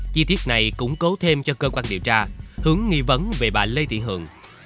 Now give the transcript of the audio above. chi tiết này củng cố thêm cho cơ quan điều tra hướng nghi vấn về bà lê thị hường